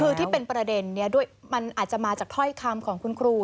คือที่เป็นประเด็นนี้ด้วยมันอาจจะมาจากถ้อยคำของคุณครู